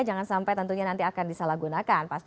jangan sampai tentunya nanti akan disalahgunakan